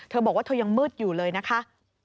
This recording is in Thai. บอกว่าเธอยังมืดอยู่เลยนะคะ